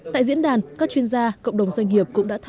tại diễn đàn các chuyên gia cộng đồng doanh nghiệp cũng đã tham